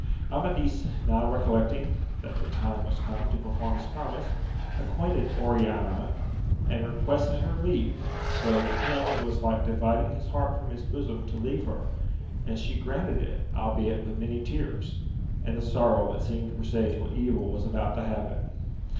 Amadis now recollecting that the time was come to perform his promise, acquainted Oriana, and requested lier leave, though to him it was like dividing his heart from his bosom to leave her; and she granted it, albeit with many tears, and a sorrow that seemed to presage what evil was about to happen.